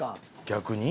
逆に？